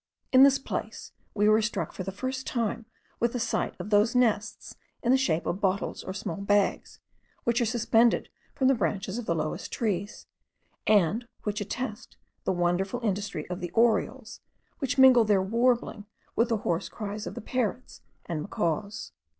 In this place we were struck for the first time with the sight of those nests in the shape of bottles, or small bags, which are suspended from the branches of the lowest trees, and which attest the wonderful industry of the orioles, which mingle their warbling with the hoarse cries of the parrots and the macaws.